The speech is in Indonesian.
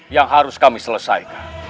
yang harus kami selesaikan